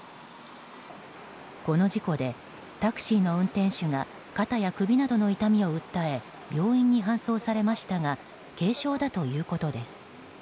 この事故でタクシーの運転手が肩や首などの痛みを訴え病院に搬送されましたが軽傷だということです。